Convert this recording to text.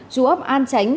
trú ấp an chánh